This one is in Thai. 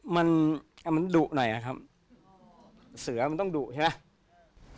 มันมันดุหน่อยนะครับเสือมันต้องดุใช่ไหม